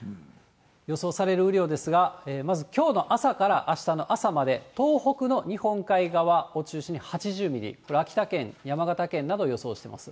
予想される雨量ですが、まずきょうの朝からあしたの朝まで、東北の日本海側を中心に８０ミリ、秋田県、山形県など予想しています。